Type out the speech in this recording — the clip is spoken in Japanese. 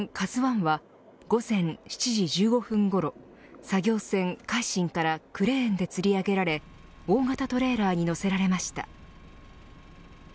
ＫＡＺＵ１は午前７時１５分ごろ作業船、海進からクレーンでつり上げられ大型トレーラーに載せられました。